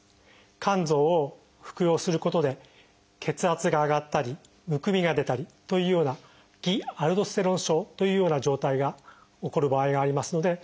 甘草を服用することで血圧が上がったりむくみが出たりというような偽アルドステロン症というような状態が起こる場合がありますので注意